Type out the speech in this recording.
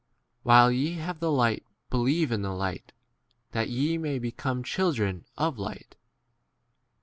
While ye have the light be lieve in the light, that ye may be come children of light.